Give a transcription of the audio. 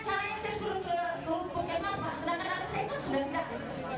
suruh ke sini bagaimana caranya saya suruh ke puskesmas rumpuy